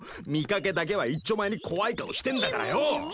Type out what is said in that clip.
見かけだけはいっちょ前に怖い顔してんだからよ。